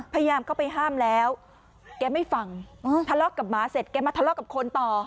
พยายามเข้าไปห้ามแล้วแกไม่ฟังทะเลาะกับหมาเสร็จแกมาทะเลาะกับคนต่อ